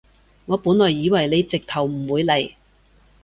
我本來以為你直頭唔會嚟